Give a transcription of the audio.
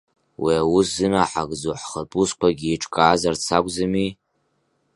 Уи аус зынаҳагӡо, ҳхатә усқәагьы еиҿкаазарц акәӡами?